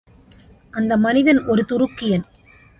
அந்த மனிதன் ஒரு துருக்கியன்.